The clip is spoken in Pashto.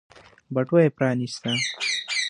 بټوه يې پرانيسته.